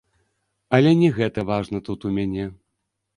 Але не гэта важна тут у мяне.